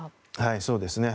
そうですね。